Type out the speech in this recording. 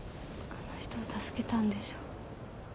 あの人を助けたんでしょう。